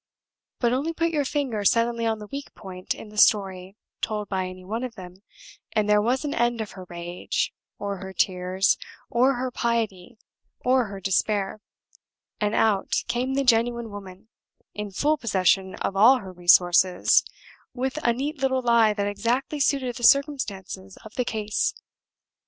But only put your finger suddenly on the weak point in the story told by any one of them, and there was an end of her rage, or her tears, or her piety, or her despair; and out came the genuine woman, in full possession of all her resources with a neat little lie that exactly suited the circumstances of the case.